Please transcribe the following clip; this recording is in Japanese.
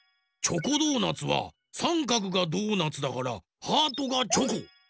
チョコドーナツはさんかくがドーナツだからハートがチョコ。